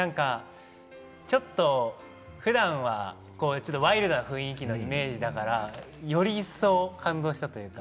ちょっと普段はワイルドな雰囲気のイメージだから、より一層、感動したというか。